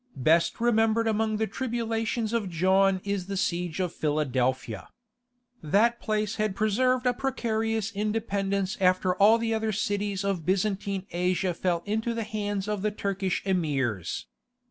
Best remembered among the tribulations of John is the siege of Philadelphia. That place had preserved a precarious independence after all the other cities of Byzantine Asia fell into the hands of the Turkish Emirs.